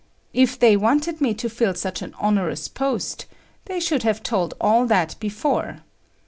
If they wanted me to fill such an onerous post, they should have told all that before.